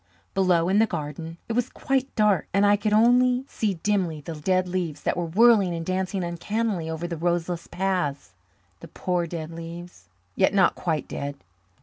Below, in the garden, it was quite dark, and I could only see dimly the dead leaves that were whirling and dancing uncannily over the roseless paths. The poor dead leaves yet not quite dead!